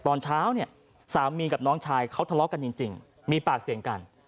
ตอนเช้าเนี่ยสามีกับน้องชายเขาทะเลาะกันจริงมีปากเสียงกัน